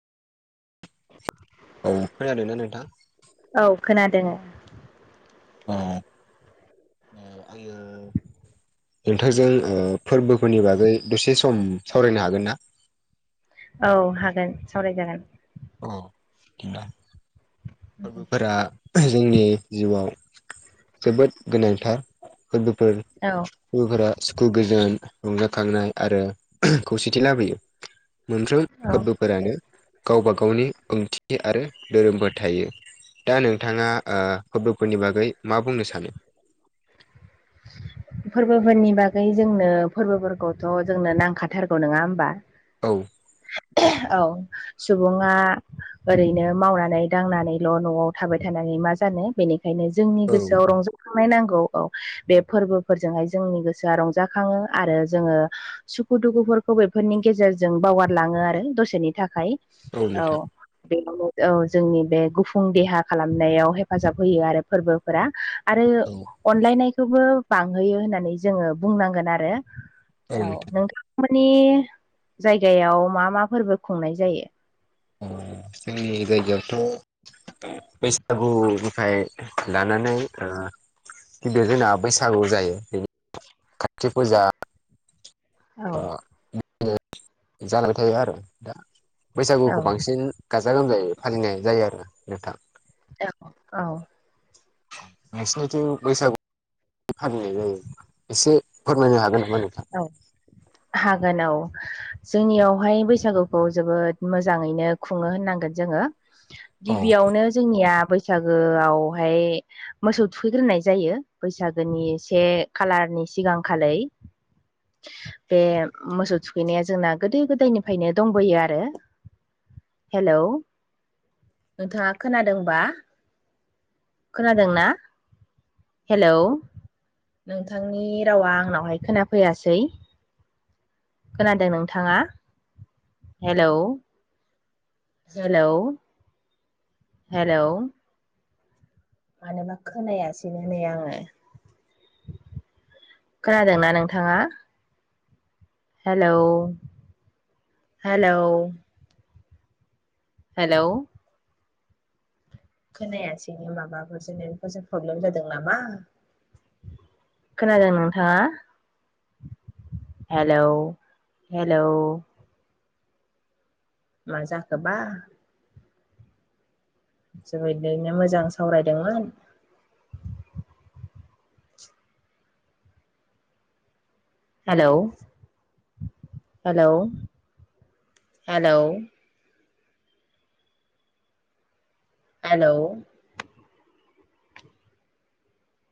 औ खोनादों ना नोंथां? औ खोनादों औ अ आङो नोंथांजों ओ फोरबोफोरनि बागै दसे सम सावरायनो हागोन ना? औ हागोन सावरायजागोन। औ बिदा फोरबोफोरा जोंनि जिउआव जोबोद गोनांथार फोरबोफोर औ फोरा सुखु गोजोन रंजाखांनाय आरो खौसेथि लाबोयो। मोनफ्रोम औ फोरबोफोरानो गावबा गावनि ओंथि आरो धोरोमफोर थायो। दा नोंथाङा ओ फोरबोफोरनि बागै मा बुंनो सानो? [inaudible] फोरबोफोरनि बागै जोंनो फोरबोफोरखौथ' जोंनो नांखाथारगौ नङा होमबा? औ औ सुबुङा ओरैनो मावनानै दांनानैल' न'आव थाबाय थानानै मा जानो बेनि ओंखायनो जोंनि औ गोसोआव रंजाखांनाय नांगौ औ। बे फोरबोफोरजोंहाय जोंनि गोसोआ रंजाखाङो आरो जोङो सुखु दुखुफोरखौ बेफोरनि गेजेरजों बावगारलाङो आरो दसेनि थाखाय औ। बेयावनो औ जोंनि बे गुफुं देहा खालामनायाव हेफाजाब होयो आरो फोरबोफोरा। आरो औ अनलायनायखौबो बांहोयो होननानै जोङो बुंनांगोन आरो। याव नोंथां मोननि जायगायाव मा मा फोरबो खुंनाय जायो? अ जोंनि जायगायावथ' बैसागुनिफ्राय लानानै ओ गिदिर जोंना बैसागु जायो बे काति फुजा। [unintelligible] औ थायो आरो दा औ बैसागुखौ बांसिन गाजा गोमजायै फालिनाय जायो आरोना नोंथां। औ औ नोंसिनिथिं बैसागु फालिनाय जायो एसे फोरमायनो हागोन नामा नोंथां? औ हागोन औ जोंनियावहाय बैसागुखौ जोबोद मोजाङैनो खुङो होननांगोन जोङो। औ गिबियावनो जोंनिया बैसागोआवहाय मोसौ थुखैग्रोनाय जायो बैसागोनि से खालारनि सिगां खालै। बे मोसौ थुखैनाया जोंना गोदो गोदायनिफ्रायनो दंबोयो आरो। हेलौ नोंथाङा खोनादोंबा? खोनादों ना? हेलौ नोंथांनि रावा आंनावहाय खोनाफैयासै। खोनादों नोंथाङा? हेलौ हेल' हेलौ मानोबा खोनायासनो नै आङो खोनादोंना नोंथाङा हेलौ हेलौ हेलौ खोनायासैनो माबाफोरसो नेटफोरसो प्रब्लेम जादों नामा खोनादों नोंथाङा हेलौ हेलौ मा जाखोबा [unintelligible] मोजां सावरायदोंमोन हेलौ हेलौ हेलौ हेलौ